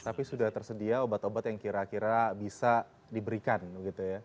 tapi sudah tersedia obat obat yang kira kira bisa diberikan begitu ya